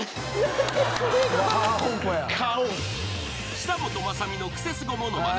［久本雅美のクセスゴものまね］